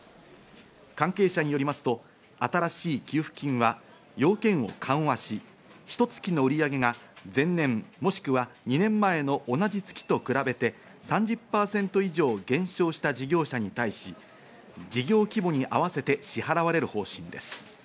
関係者によりますと新しい給付金は要件を緩和し、ひと月の売り上げが前年もしくは２年前の同じ月と比べて３０％以上減少した事業者に対し、事業規模に合わせて支払われる方針です。